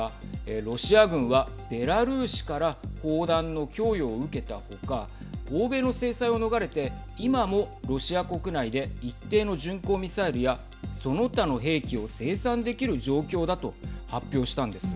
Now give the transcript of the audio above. ロシア軍はベラルーシから砲弾の供与を受けた他欧米の制裁を逃れて今もロシア国内で一定の巡航ミサイルやその他の兵器を生産できる状況だと発表したんです。